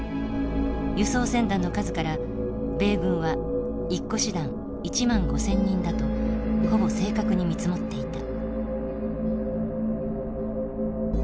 輸送船団の数から米軍は１個師団１万５，０００人だとほぼ正確に見積もっていた。